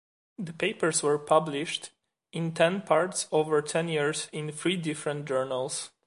The papers were published in ten parts over ten years in three different journals.